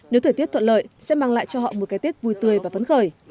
nếu thời tiết thuận lợi sẽ mang lại cho họ một cái tết vui tươi và phấn khởi